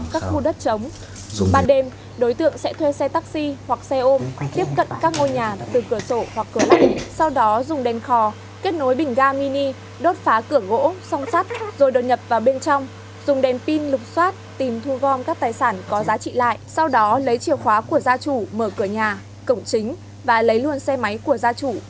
các tài sản có giá trị lại sau đó lấy chiều khóa của gia chủ mở cửa nhà cổng chính và lấy luôn xe máy của gia chủ